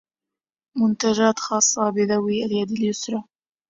منتجات خاصة بذوي اليد اليسرى.